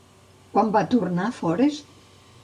Quan va retornar Forest?